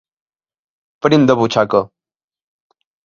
Prim de butxaca.